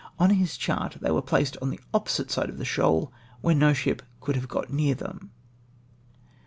On his chart they were placed on the opposite side of die shoal ! where no sliip could have £>'ot near them.